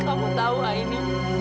dan kamu tahu ainy